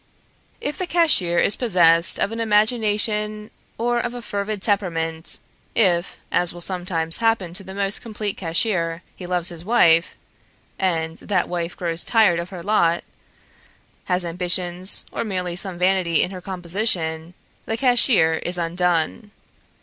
If the cashier is possessed of an imagination or of a fervid temperament; if, as will sometimes happen to the most complete cashier, he loves his wife, and that wife grows tired of her lot, has ambitions, or merely some vanity in her composition, the cashier is undone.